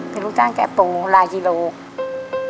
เป็นลูกจ้างแก่โตลายกิโลกรัม